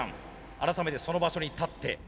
改めてその場所に立って。